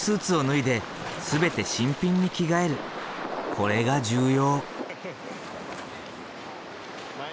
これが重要。